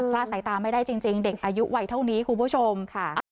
ลาดสายตาไม่ได้จริงเด็กอายุวัยเท่านี้คุณผู้ชมค่ะ